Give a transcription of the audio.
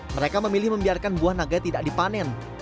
mereka memilih membiarkan buah naga tidak dipanen